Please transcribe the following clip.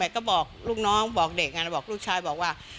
ก็บอกลูกน้องบอกเด็กบอกลูกชายบอกว่า